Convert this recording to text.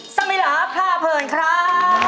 สมิลาพ่าเผินครับ